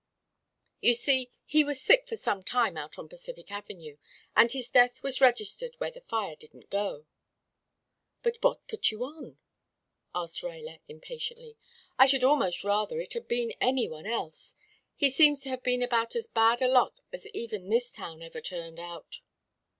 You see, he was sick for some time out on Pacific Avenue, and his death was registered where the fire didn't go " "But what put you on?" asked Ruyler impatiently. "I should almost rather it had been any one else. He seems to have been about as bad a lot as even this town ever turned out."